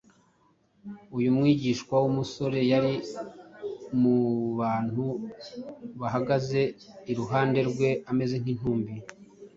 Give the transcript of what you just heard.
uyu mwigishwa w’umusore yari mu bantu bahagaze iruhande rwe ameze nk’intumbi